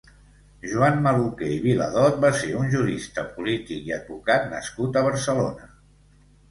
Joan Maluquer i Viladot va ser un jurista, polític i advocat nascut a Barcelona.